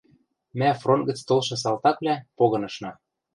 Мӓ, фронт гӹц толшы салтаквлӓ, погынышна